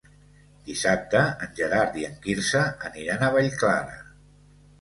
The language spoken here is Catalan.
Dissabte en Gerard i en Quirze aniran a Vallclara.